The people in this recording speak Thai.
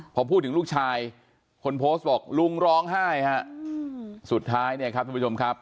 พอพูดถึงลูกชายคนโพสต์บอกลุงร้องไห้ฮะสุดท้ายเนี่ยครับทุกผู้ชมครับ